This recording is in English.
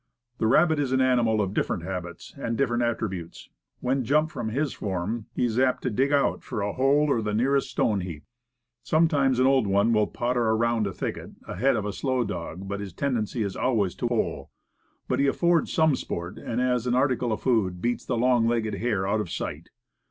The rabbit is an animal of different habits, and dif ferent attributes. When jumped from his form, he is apt to "dig out" for a hole or the nearest stone heap. Sometimes an old one will potter around a thicket, ahead of a slow dog, but his tendency is always to hole. But he affords some sport, and as an article of food, beats the long legged hare out of sight.